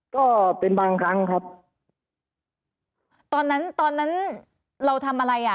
ก็เป็นบางครั้งครับตอนนั้นตอนนั้นเราทำอะไรอ่ะ